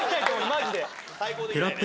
マジで。